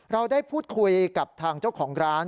เราได้พูดคุยกับทางเจ้าของร้าน